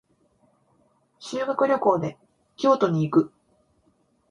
修学旅行で京都に行く。